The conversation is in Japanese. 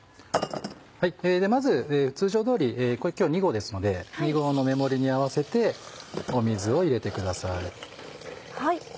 まず通常通りこれ今日２合ですので２合の目盛りに合わせて水を入れてください。